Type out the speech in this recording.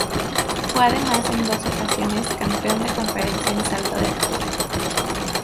Fue además en dos ocasiones campeón de conferencia en salto de altura.